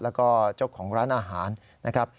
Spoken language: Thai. แล้วก็เจ้าของร้านอาหารนะครับ